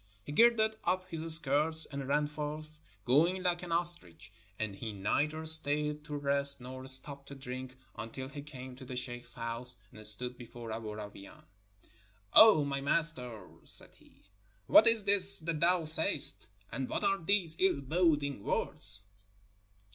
He girded up his skirts and ran forth, going like an ostrich; and he neither stayed to rest nor stopped to drink, until he came to the sheikh's house, and stood before Aboo Rawain. "O my Master," said he, "what is this that thou sayest, and what are these ill boding words?"